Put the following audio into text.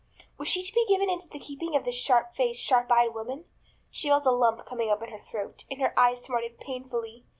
Was she to be given into the keeping of this sharp faced, sharp eyed woman? She felt a lump coming up in her throat and her eyes smarted painfully.